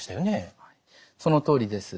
そのとおりです。